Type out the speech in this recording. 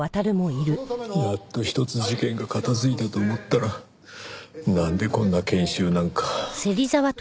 やっと一つ事件が片付いたと思ったらなんでこんな研修なんか。